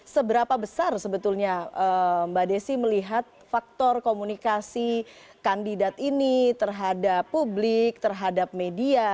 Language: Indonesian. seberapa besar sebetulnya mbak desi melihat faktor komunikasi kandidat ini terhadap publik terhadap media